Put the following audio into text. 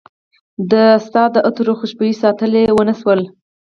ما ستا د عطرو خوشبوي ساتلی ونه شوله